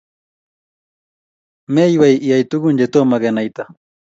Meywei iyai tugun chetomo kenaita?